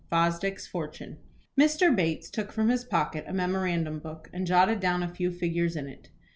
FOSDICK'S FORTUNE. Mr. Bates took from his pocket a memorandum book, and jotted down a few figures in it.